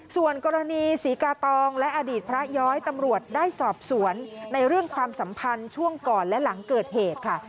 ส่วนกรณีศรีกาตองและอดีตพระย้อยตำรวจได้สอบสวนในเรื่องความสัมพันธ์ช่วงก่อนและหลังเกิดเหตุค่ะ